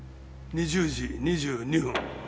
２０時２２分。